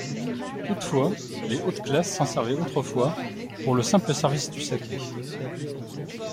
Toutefois, les hautes classes s'en servaient autrefois pour le simple service du saké.